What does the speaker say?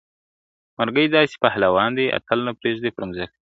مرګی داسي پهلوان دی اتل نه پرېږدي پر مځکه ..